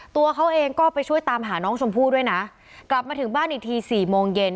ตัวเขาเองก็ไปช่วยตามหาน้องชมพู่ด้วยนะกลับมาถึงบ้านอีกทีสี่โมงเย็น